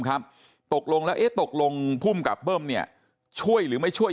ครับตกลงแล้วเอ๊ะตกลงภูมิกับเบิ้มเนี่ยช่วยหรือไม่ช่วย